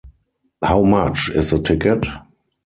How much is the ticket?